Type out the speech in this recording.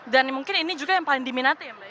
dan mungkin ini juga yang paling diminati ya mbak ya